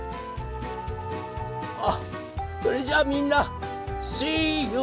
あっそれじゃあみんなしゆ！